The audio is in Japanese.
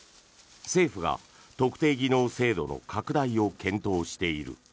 政府が特定技能制度の拡大を検討している。